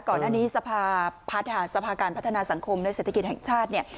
ก่อนอันนี้สภาพัฒนาสังคมในเศรษฐกิจแห่งชาติ